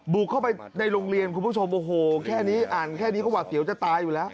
บุกเข้าไปในโรงเรียนคุณผู้ชมโอ้โหแค่นี้อ่านแค่นี้ก็หวัดเสียวจะตายอยู่แล้ว